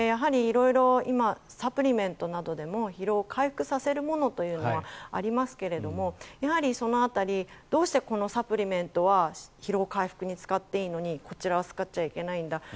色々サプリメントなどでも疲労を回復させるものもありますがやはりその辺りどうしてこのサプリメントは疲労回復に使っていいのにこちらは使っちゃいけないんだ。